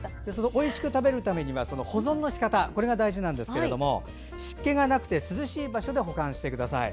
おいしく食べるための保存方法、大事なんですけど湿気がなくて涼しい場所で保管してください。